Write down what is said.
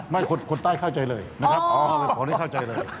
คนใต้เข้าใจเลยนะครับอ๋อนี่เข้าใจเลย